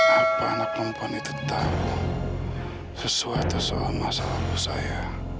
apa anak perempuan itu tahu sesuatu soal masalahku saya